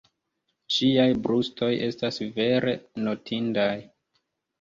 Ŝiaj brustoj estas vere notindaj.